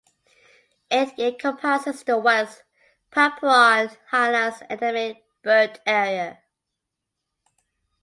It encompasses the West Papuan highlands endemic bird area.